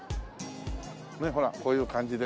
ねっほらこういう感じで。